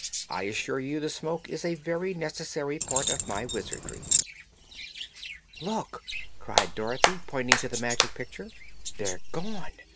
"I assure you the smoke is a very necessary part of my wizardry." "Look!" cried Dorothy, pointing to the Magic Picture; "they're gone!